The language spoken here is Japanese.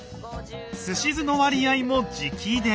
すし酢の割合も直伝。